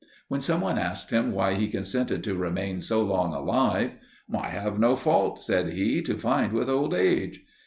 When some one asked him why he consented to remain so long alive "I have no fault," said he, "to find with old age."